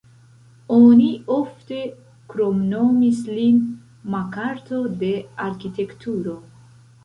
Oni ofte kromnomis lin "Makarto de arkitekturo".